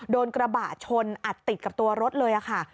โดนกระบะชนอัดติดกับตัวรถเลยค่ะ